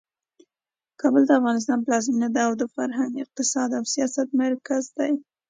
کابل د افغانستان پلازمینه ده او د فرهنګ، اقتصاد او سیاست مرکز دی.